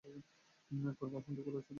পূর্বে আসনটি খোলা ছিল।